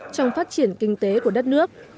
trong phát triển kinh tế của đất nước